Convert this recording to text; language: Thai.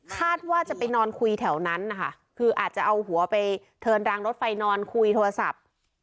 คาดว่าจะไปนอนคุยแถวนั้นนะคะคืออาจจะเอาหัวไปเทินรางรถไฟนอนคุยโทรศัพท์